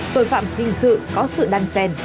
tội phạm hình sự có sự đan xen